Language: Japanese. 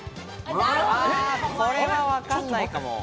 これは、わかんないかも。